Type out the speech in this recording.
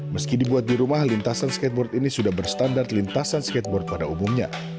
meski dibuat di rumah lintasan skateboard ini sudah berstandar lintasan skateboard pada umumnya